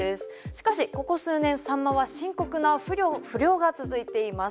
しかしここ数年サンマは深刻な不漁が続いています。